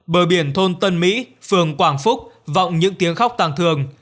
bờ biển thôn tân mỹ phường quảng phúc vọng những tiếng khóc tăng thường